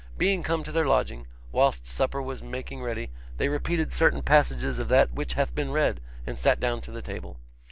Being come to their lodging, whilst supper was making ready, they repeated certain passages of that which hath been read, and sat down to table.